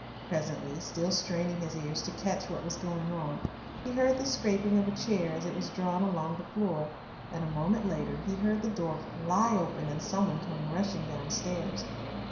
Presently, still straining his ears to catch what was going on, he heard the scraping of a chair as it was drawn along the floor, and a moment later he heard the door fly open and someone come rushing downstairs.